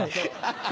ハハハ！